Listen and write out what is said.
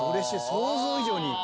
想像以上に。